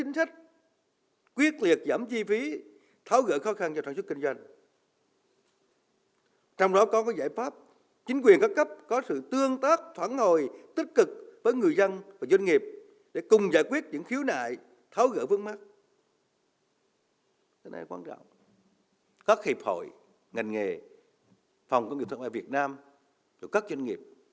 ngành nghề phòng công nghiệp thoại việt nam chủ cất doanh nghiệp